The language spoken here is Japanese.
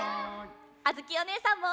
あづきおねえさんも。